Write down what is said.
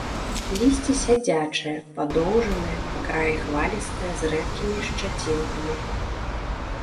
Лісце сядзячае, падоўжанае, па краі хвалістае, з рэдкімі шчацінкамі.